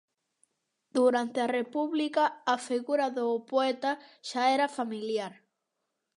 Durante a República, a figura do poeta xa era familiar.